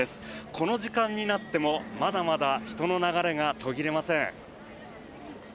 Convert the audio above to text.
この時間になってもまだまだ人の流れが途切れません。